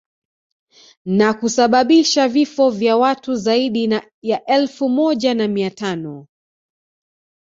Na kusababisha vifo vya watu zaidi ya elfu moja na mia tano